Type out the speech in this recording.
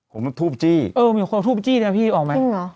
ผมทูบจี้เออมีคนทูบจี้นะพี่ออกไหม